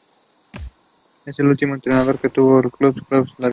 El último entrenador que tuvo el club fue Claudio Lavín.